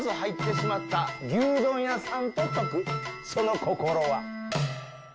その心は。